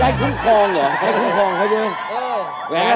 ได้คุ้มคลองเหรอ